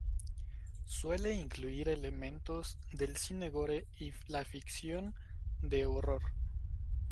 Suele incluir elementos del cine gore y la ficción de horror.